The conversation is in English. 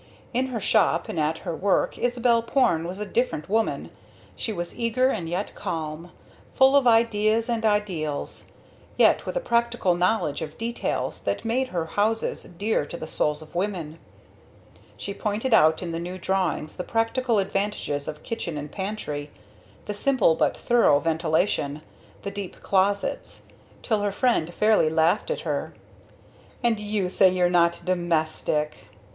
In her shop and at her work Isabel Porne was a different woman. She was eager and yet calm; full of ideas and ideals, yet with a practical knowledge of details that made her houses dear to the souls of women. She pointed out in the new drawings the practical advantages of kitchen and pantry; the simple but thorough ventilation, the deep closets, till her friend fairly laughed at her. "And you say you're not domestic!"